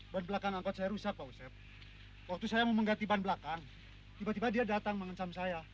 ban belakang angkot saya rusak pak usep waktu saya mau mengganti ban belakang tiba tiba dia datang mengencam saya